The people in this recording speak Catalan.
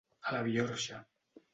A la biorxa.